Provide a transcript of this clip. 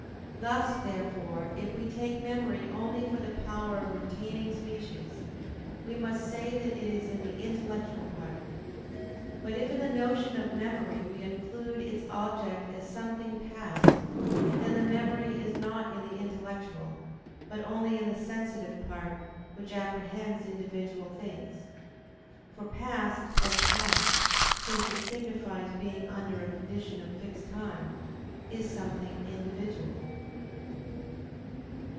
Thus, therefore, if we take memory only for the power of retaining species, we must say that it is in the intellectual part. But if in the notion of memory we include its object as something past, then the memory is not in the intellectual, but only in the sensitive part, which apprehends individual things. For past, as past, since it signifies being under a condition of fixed time, is something individual.